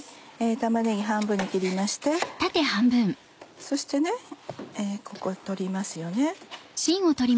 玉ねぎ半分に切りましてそしてここを取ります。